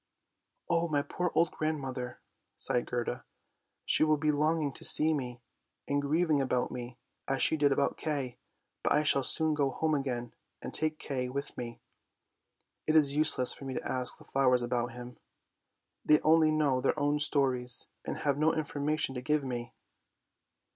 "Oh, my poor old grandmother!" sighed Gerda. "She will be longing to see me, and grieving about me, as she did 198 ANDERSEN'S FAIRY TALES about Kay. But I shall soon go home again and take Kay with me. It is useless for me to ask the flowers about him. They only know their own stories, and have no information to give me."